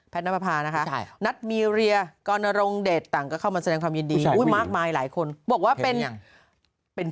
แพทย์น้ำภาพานะคะนัทมีเรียกรณรงค์เดตต่างก็เข้ามาแสดงความยินดีมากมายหลายคนบอกว่าเป็น